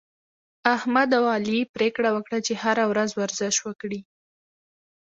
احمد او علي پرېکړه وکړه، چې هره ورځ ورزش وکړي